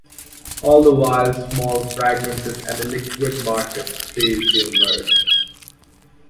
All the while the small fragmented and illiquid market failed to emerge.